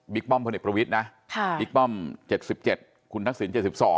ป้อมพลเอกประวิทย์นะบิ๊กป้อม๗๗คุณทักษิณ๗๒